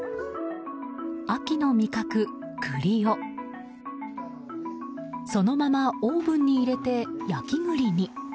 秋の味覚、栗をそのままオーブンに入れて焼き栗に。